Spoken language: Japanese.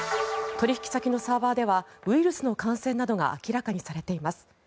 取引先のサーバーではウイルスの感染などが明らかにされています。